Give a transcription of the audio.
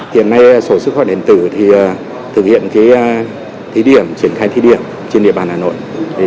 hiện nay sổ sức khỏe điện tử thực hiện triển khai thí điểm trên địa bàn hà nội